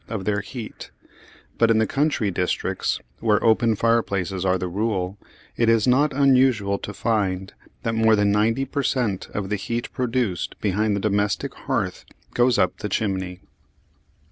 of their heat; but in the country districts, where open fireplaces are the rule, it is not unusual to find that more than ninety per cent. of the heat produced behind the domestic hearth goes up the chimney.